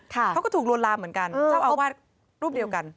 เขาก็ถูกลวนลามเหมือนกันเจ้าอาวาสรูปเดียวกัน